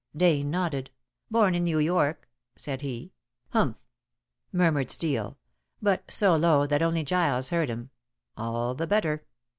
Dane nodded. "Born in New York," said he. "Humph!" murmured Steel, but so low that only Giles heard him, "all the better.